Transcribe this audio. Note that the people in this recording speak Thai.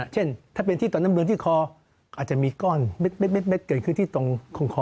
เช่นถ้าเป็นที่ตอนน้ำเรือนที่คออาจจะมีก้อนเม็ดเกิดขึ้นที่ตรงคงคอ